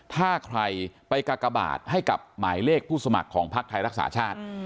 ถ้าใครไปกากบาทให้กับหมายเลขผู้สมัครของพักไทยรักษาชาติ